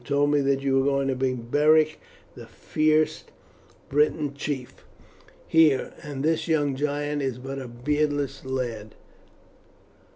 You told me that you were going to bring Beric the fierce British chief here, and this young giant is but a beardless lad."